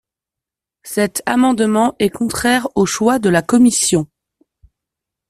Cet amendement est contraire aux choix de la commission.